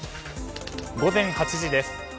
午前８時です。